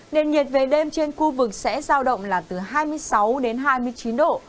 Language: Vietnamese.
nền nhiệt về đêm trên khu vực sẽ giao động là từ hai mươi sáu đến hai mươi chín độ